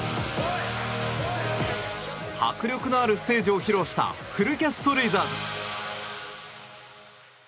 迫力のあるステージを披露したフルキャスト・レイザーズ。